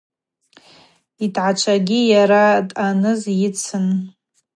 Йтгӏачвагьи йара дъаныз йыцын.